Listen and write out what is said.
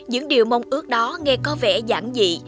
những điều mong ước đó nghe có vẻ giảng dị